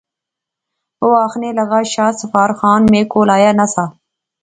او آخنے لغا شاہ سوار خان میں کول آیا نہ سا